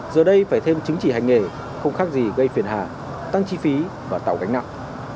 giờ đây phải thêm chính trị hành nghề không khác gì gây phiền hề tăng chi phí và tạo gánh nặng